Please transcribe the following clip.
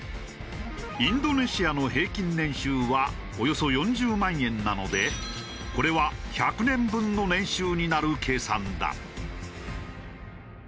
インドネシアの平均年収はおよそ４０万円なのでこれは１００年分の年収になる計算だ。